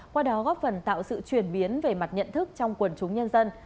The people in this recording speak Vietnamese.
qua đó góp phần tạo sự chuyển biến về mặt nhận thức trong quần chúng nhân dân